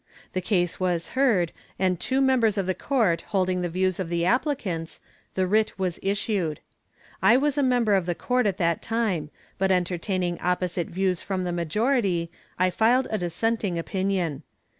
The case was heard, and two members of the court holding the views of the applicants, the writ was issued. I was a member of the court at that time, but entertaining opposite views from the majority, I filed a dissenting opinion.